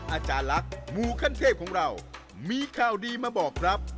อาจารย์ลักษณ์หมู่ขั้นเทพของเรามีข่าวดีมาบอกครับ